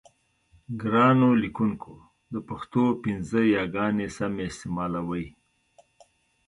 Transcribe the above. ګرانو لیکوونکو د پښتو پنځه یاګانې سمې استعمالوئ.